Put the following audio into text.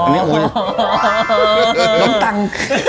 น้องตังค์